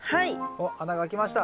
おっ穴が開きました。